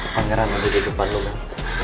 pangeran ada di depan lu mel